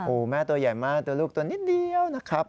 โอ้โหแม่ตัวใหญ่มากตัวลูกตัวนิดเดียวนะครับ